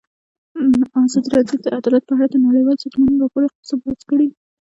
ازادي راډیو د عدالت په اړه د نړیوالو سازمانونو راپورونه اقتباس کړي.